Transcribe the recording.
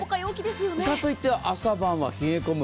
かといって朝晩は冷え込む。